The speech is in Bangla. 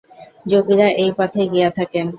যোগীরা এই পথেই গিয়া থাকেন।